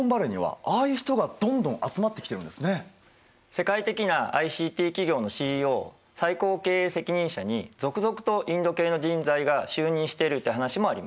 世界的なＩＣＴ企業のＣＥＯ最高経営責任者に続々とインド系の人材が就任してるという話もあります。